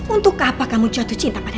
untuk apa kamu jatuh cinta pada aryo